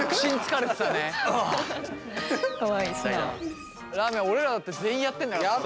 らーめん俺らだって全員やってんだからさ。